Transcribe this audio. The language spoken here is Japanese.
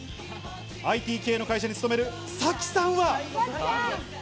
ＩＴ系の会社に勤めるサキさんは。